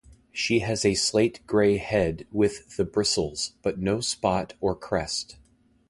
She has a slate-grey head with the bristles but no spot or crest.